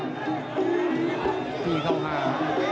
จีเข้ามา